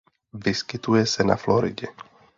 Vyskytuje se na Floridě.